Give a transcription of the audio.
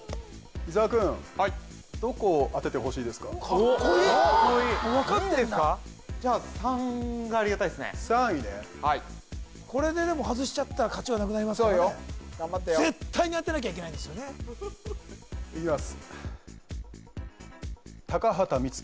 伊沢君はいカッコイイ分かってんだじゃあ３位ねはいこれででもハズしちゃったら勝ちはなくなりますからね絶対に当てなきゃいけないんですよねいきます